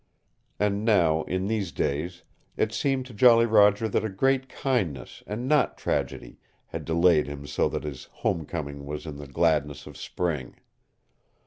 And now, in these days, it seemed to Jolly Roger that a great kindness, and not tragedy, had delayed him so that his "home coming" was in the gladness of spring.